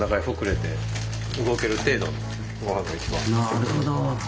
なるほど。